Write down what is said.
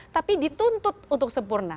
tapi dituntut untuk sempurna